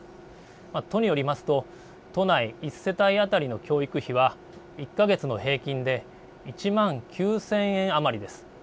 都によりますと都内１世帯当たりの教育費は１か月の平均で１万９０００円余りです。